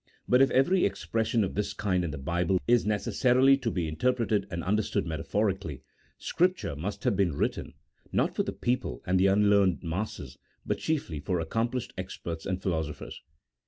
But if every expression of this kind in the Bible is neces sarily to be interpreted and understood metaphorically, Scripture must have been written, not for the people and the unlearned masses, but chiefly for accomplished experts and philosophers.